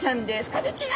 こんにちは！